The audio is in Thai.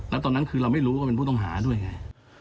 แล้วตอนนั้นคือเราไม่รู้ว่าเป็นผู้ต้องหาด้วยไง